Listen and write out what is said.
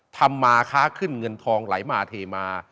ทำมาค้าขึ้นเงินทองไหลมาเทมา